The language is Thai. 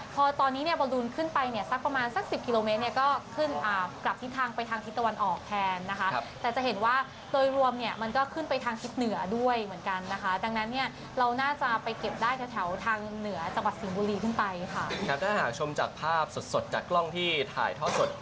พอตอนนี้เนี่ยบอลูนขึ้นไปเนี่ยสักประมาณสักสิบกิโลเมตรเนี่ยก็ขึ้นอ่ากลับทิศทางไปทางทิศตะวันออกแทนนะคะแต่จะเห็นว่าโดยรวมเนี่ยมันก็ขึ้นไปทางทิศเหนือด้วยเหมือนกันนะคะดังนั้นเนี่ยเราน่าจะไปเก็บได้แถวแถวทางเหนือจังหวัดสิงห์บุรีขึ้นไปค่ะครับถ้าหากชมจากภาพสดสดจากกล้องที่ถ่ายทอดสด